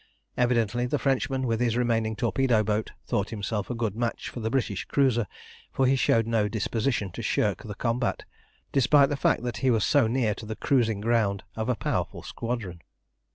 Evidently the Frenchman, with his remaining torpedo boat, thought himself a good match for the British cruiser, for he showed no disposition to shirk the combat, despite the fact that he was so near to the cruising ground of a powerful squadron.